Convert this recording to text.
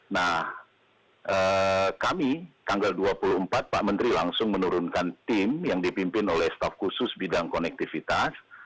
nah kami tanggal dua puluh empat pak menteri langsung menurunkan tim yang dipimpin oleh staf khusus bidang konektivitas